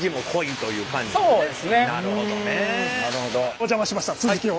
お邪魔しました続きを。